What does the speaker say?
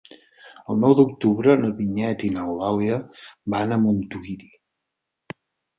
El nou d'octubre na Vinyet i n'Eulàlia van a Montuïri.